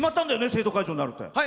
生徒会長になるって。